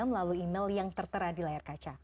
melalui email yang tertera di layar kaca